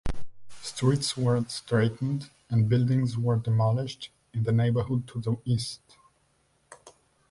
Streets were straightened and buildings demolished in the neighborhood to the east.